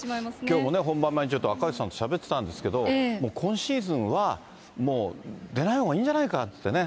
きょうも本番前にね、赤星さんとしゃべってたんですけれども、今シーズンはもう出ないほうがいいんじゃないかってね。